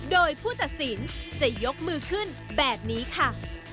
โดยผู้ตัดสินจะยกมือขึ้นแบบนี้ค่ะ